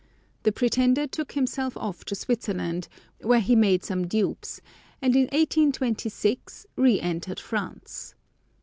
The pretender took himself off to Switzerland, where he made some dupes; and in 1826 re entered France.